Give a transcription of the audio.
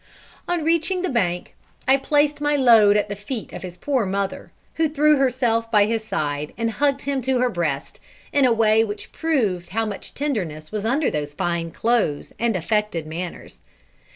] On reaching, the bank, I placed my load at the feet of his poor mother, who threw herself by his side and hugged him to her breast, in a way which proved how much tenderness was under those fine clothes and affected manners.